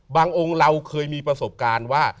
องค์เราเคยมีประสบการณ์ว่า